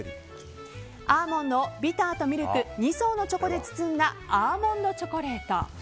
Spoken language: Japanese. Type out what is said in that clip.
アーモンドをビターとミルク２層のチョコで包んだアーモンドチョコレート。